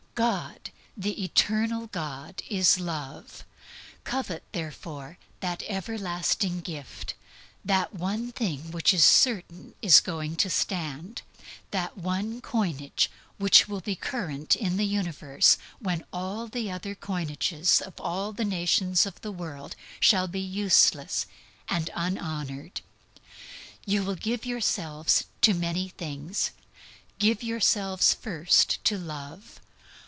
God, the Eternal God, is Love. Covet, therefore, that everlasting gift, that one thing which it is certain is going to stand, that one coinage which will be current in the Universe when all the other coinages of all the nations of the world shall be useless and unhonored. You will give yourselves to many things, give yourself first to Love.